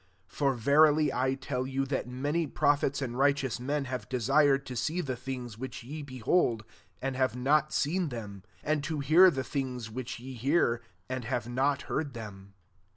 17 For ve rily I tell you, that many pro phets and righteous men have desired to see the tHngs which ye behold, and have not seen thern^ and to hear the things which ye hear, and have not heard them.